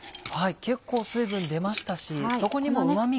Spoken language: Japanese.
結構水分出ましたしそこにもうまみが。